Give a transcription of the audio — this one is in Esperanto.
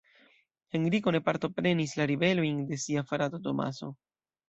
Henriko ne partoprenis la ribelojn de sia frato Tomaso.